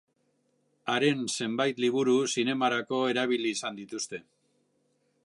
Haren zenbait liburu zinemarako erabili izan dituzte.